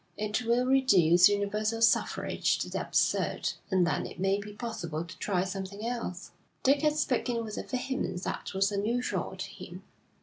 It will reduce universal suffrage to the absurd, and then it may be possible to try something else.' Dick had spoken with a vehemence that was unusual to him.